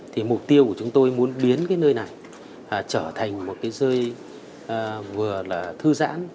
thì mục tiêu của chúng tôi muốn biến cái nơi này trở thành một cái dây vừa là thư giãn